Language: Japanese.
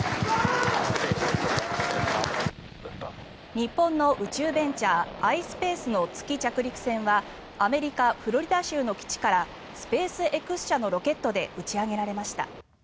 日本の宇宙ベンチャーｉｓｐａｃｅの月着陸船はアメリカ・フロリダ州の基地からスペースＸ社のロケットで打ち上げられました。